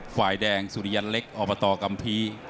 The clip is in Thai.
ฝ่ายแดงสุริยันเล็กอบตกัมภีร์